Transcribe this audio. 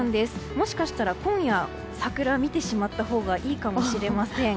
もしかしたら今夜、桜を見てしまったほうがいいかもしれません。